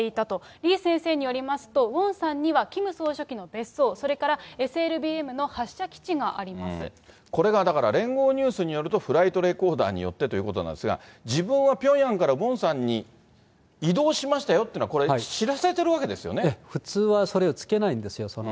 李先生によりますと、ウォンサンにはキム総書記の別荘、それからＳＬＢＭの発射基地があこれがだから、聯合ニュースによると、フライトレコーダーによってということなんですが、自分はピョンヤンからウォンサンに移動しましたよというのは、こ普通はそれをつけないんですよ、